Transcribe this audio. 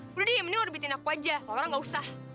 udah deh ya mending lo dibikin aku aja laura enggak usah